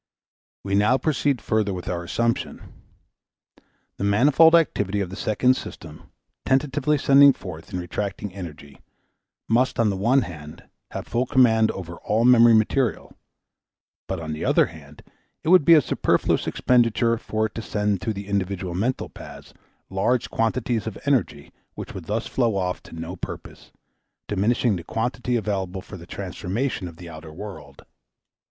We now proceed further with our assumption. The manifold activity of the second system, tentatively sending forth and retracting energy, must on the one hand have full command over all memory material, but on the other hand it would be a superfluous expenditure for it to send to the individual mental paths large quantities of energy which would thus flow off to no purpose, diminishing the quantity available for the transformation of the outer world.